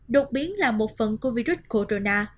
đột biến là một phần của virus corona